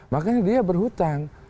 makanya dia berhutang